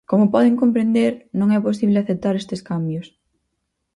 Como poden comprender, non é posible aceptar estes cambios.